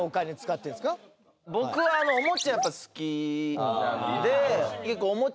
僕はおもちゃやっぱ好きなんで。